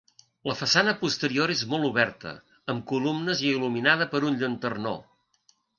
La façana posterior és molt oberta, amb columnes i il·luminada per un llanternó.